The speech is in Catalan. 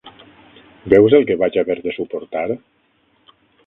Veus el que vaig haver de suportar?